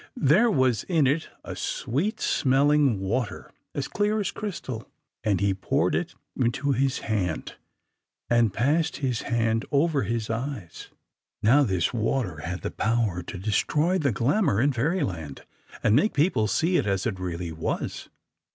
There was in it a sweet smelling water, as clear as crystal, and he poured it into his hand, and passed his hand over his eyes. Now this water had the power to destroy the "glamour" in Fairyland, and make people see it as it really was.